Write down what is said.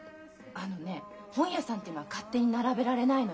あのね本屋さんっていうのは勝手に並べられないのよ。